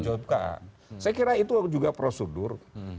saya kira itu juga prosedur